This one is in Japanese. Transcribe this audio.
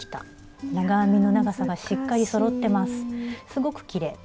すごくきれい。